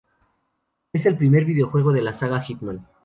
Es el primer videojuego de la saga "Hitman".